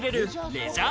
レジャー